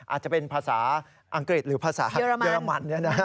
อาจจะเป็นภาษาอังกฤษหรือภาษาเยอรมัน